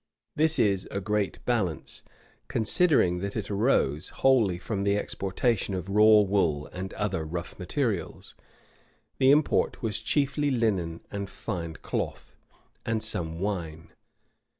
This is a great balance, considering that it arose wholly from the exportation of raw wool and other rough materials. The import was chiefly linen and fine cloth, and some wine.